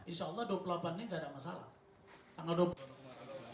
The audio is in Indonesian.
insya allah dua puluh delapan ini gak ada masalah